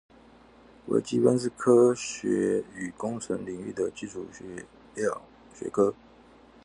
微積分是科學與工程領域的基礎學科